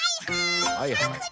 はいはい！